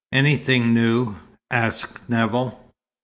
"Anything new?" asked Nevill.